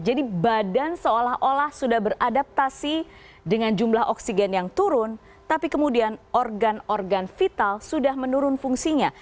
jadi badan seolah olah sudah beradaptasi dengan jumlah oksigen yang turun tapi kemudian organ organ vital sudah menurun fungsinya